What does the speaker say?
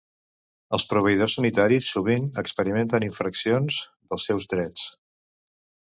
Els proveïdors sanitaris sovint experimenten infraccions dels seus drets.